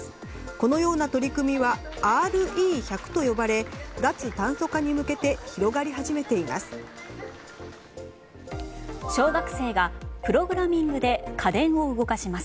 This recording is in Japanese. このような取り組みはＲＥ１００と呼ばれ脱炭素化に向けて広がり始めています。